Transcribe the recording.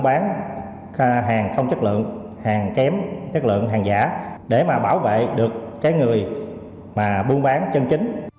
bán hàng không chất lượng hàng kém chất lượng hàng giả để mà bảo vệ được cái người mà buôn bán chân chính